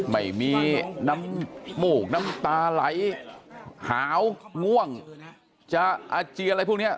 ไม่มีน้ำมูกน้ำตาไหลหาวง่วงจะอาเจียนอะไรพวกนี้